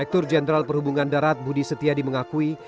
direktur jenderal perhubungan darat budi setiadi mengakui